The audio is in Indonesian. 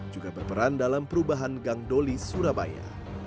juga berperan dalam perubahan gang doli surabaya